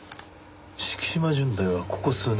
敷島純大はここ数年